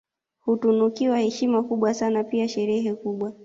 Hutunukiwa heshima kubwa sana pia sherehe kubwa